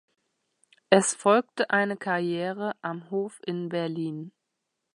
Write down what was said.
Es folgte eine Karriere am Hof in Berlin.